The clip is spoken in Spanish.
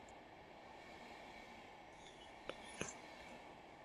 Vive en Atherton, California, con su esposa Wendy Schmidt.